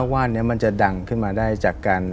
ว่านนี้มันจะดังขึ้นมาได้จากการ